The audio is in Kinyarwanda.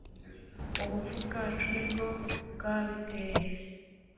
ubupfu bwacu nibwo bwabiteye